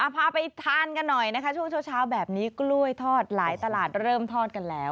พาไปทานกันหน่อยนะคะช่วงเช้าแบบนี้กล้วยทอดหลายตลาดเริ่มทอดกันแล้ว